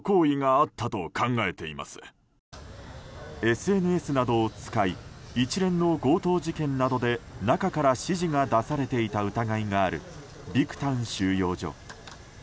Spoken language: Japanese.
ＳＮＳなどを使い一連の強盗事件などで中から指示が出されていた疑いがあるビクタン収容所。